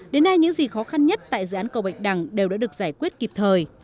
đến nay những gì khó khăn nhất tại dự án cầu bạch đằng đều đã được giải quyết kịp thời